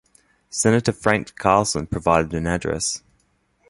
Senator Frank Carlson providing an address.